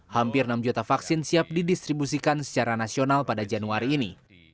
hampir enam juta vaksin siap didistribusikan secara nasional pada januari ini